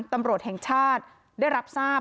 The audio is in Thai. ตำรวจแห่งชาติได้รับทราบ